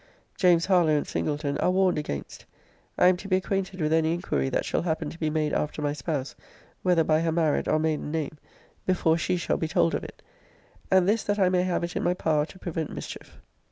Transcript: James Harlowe and Singleton are warned against. I am to be acquainted with any inquiry that shall happen to be made after my spouse, whether by her married or maiden name, before she shall be told of it and this that I may have it in my power to prevent mischief.